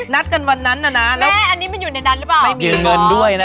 งั้นมีแค่นั้นเนี่ยนะ